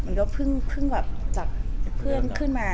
มันก็เพิ่งจากเพื่อนขึ้นมา